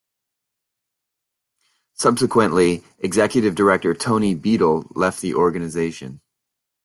Subsequently, executive director Tony Beadle left the organization.